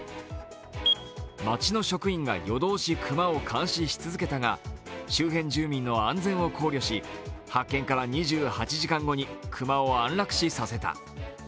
町の職員が夜通し熊を監視し続けたが、周辺住民の安全を考慮し、発見から２８時間後に熊を安楽死させた。